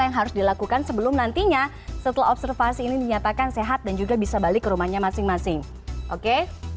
yang harus dilakukan sebelum nantinya setelah observasi ini dinyatakan sehat dan juga bisa balik ke rumahnya masing masing oke